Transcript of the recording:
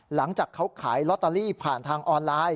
หลังจากเขาขายลอตเตอรี่ผ่านทางออนไลน์